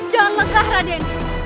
jangan mengarah denny